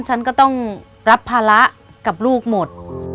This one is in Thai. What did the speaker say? ฉันก็ต้องรับภาระกับลูกหมด